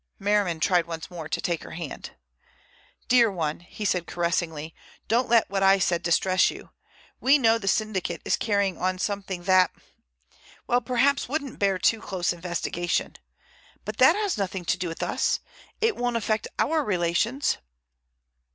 Merriman tried once more to take her hand. "Dear one," he said caressingly, "don't let what I said distress you. We know the syndicate is carrying on something that—well, perhaps wouldn't bear too close investigation. But that has nothing to do with us. It won't affect our relations."